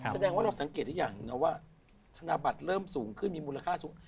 แสดงว่าเราสังเกตได้อย่างหนึ่งนะว่าธนบัตรเริ่มสูงขึ้นมีมูลค่าสูง